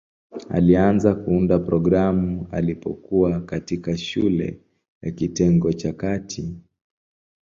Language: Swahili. Alianza kuunda programu alipokuwa katikati shule ya kitengo cha kati.